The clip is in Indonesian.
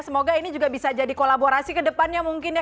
semoga ini juga bisa jadi kolaborasi kedepannya mungkin ya